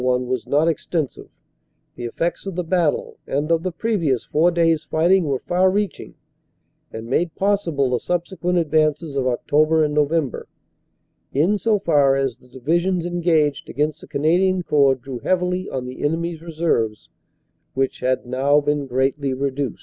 1 was not extensive, the effects of the battle and of the previous four days fighting were far reaching, and made possible the subsequent advances of October and November, in so far as the Divisions engaged against the Canadian Corps drew heavily on the enemy s re serves, which had now been greatly reduced.